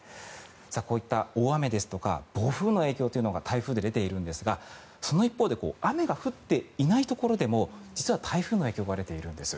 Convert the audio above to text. こういった大雨ですとか暴風の影響が台風で出ているんですがその一方で雨が降っていないところでも実は台風の影響が出ているんです